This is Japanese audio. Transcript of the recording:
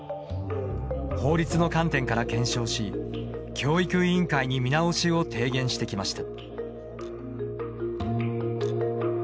法律の観点から検証し教育委員会に見直しを提言してきました。